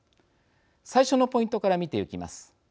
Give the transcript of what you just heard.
最初のポイントから見てゆきます。